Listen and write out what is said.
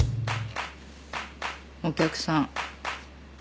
お客さん。